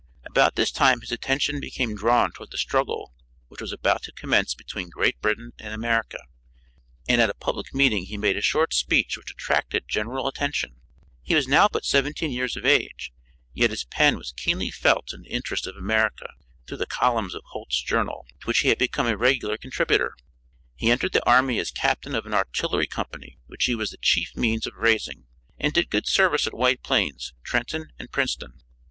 About this time his attention became drawn toward the struggle which was about to commence between Great Britain and America, and at a public meeting he made a short speech which attracted general attention. He was now but seventeen years of age, yet his pen was keenly felt in the interest of America, through the columns of Holts Journal, to which he had become a regular contributor. He entered the army as captain of an artillery company which he was the chief means of raising, and did good service at White Plains, Trenton and Princeton.